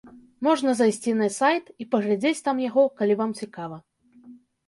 Можна зайсці на сайт і паглядзець там яго, калі вам цікава.